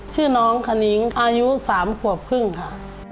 ชื่อน้องขนิ้งอายุ๓ขวบครึ่งค่ะ